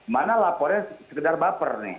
mana laporan yang sekedar baper nih